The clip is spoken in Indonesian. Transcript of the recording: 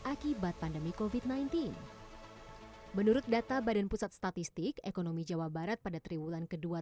akibat pandemi kofit sembilan belas menurut data badan pusat statistik ekonomi jawa barat pada triwulan kedua